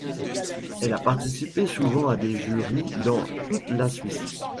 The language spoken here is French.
Elle a participé souvent à des jurys dans toute la Suisse.